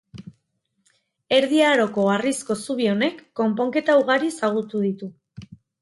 Erdi Aroko harrizko zubi honek konponketa ugari ezagutu ditu.